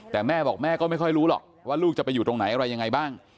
แต่แม่บอกแม่ก็ไม่ค่อยรู้หรอกว่าลูกจะไปอยู่ตรงไหนอะไรยังไงบ้าง